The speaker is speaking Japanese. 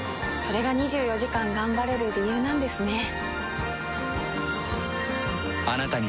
れが２４時間頑張れる理由なんですね。